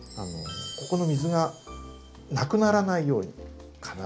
ここの水が無くならないように必ず。